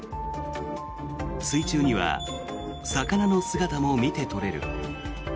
水中には魚の姿も見て取れる。